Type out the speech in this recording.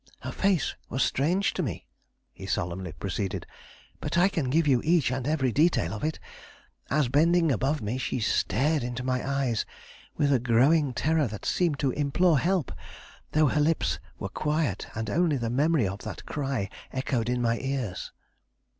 Her face was strange to me," he solemnly proceeded, "but I can give you each and every detail of it, as, bending above me, she stared into my eyes with a growing terror that seemed to implore help, though her lips were quiet, and only the memory of that cry echoed in my ears."